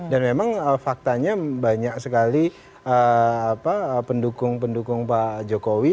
dan memang faktanya banyak sekali pendukung pendukung pak jokowi